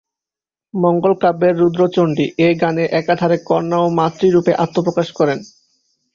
মঙ্গলকাব্যের রুদ্রচন্ডী এ গানে একাধারে কন্যা ও মাতৃরূপে আত্মপ্রকাশ করেন।